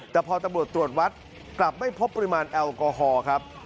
แต่พอตำรวจตรวจวัดกลับไม่พบปริมาณแอลกอฮอล์ครับ